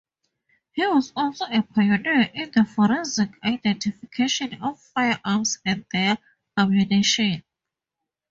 He was also a pioneer in the forensic identification of firearms and their ammunition.